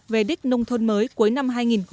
về đích nông thôn mới cuối năm